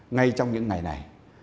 ngay trong những ngày này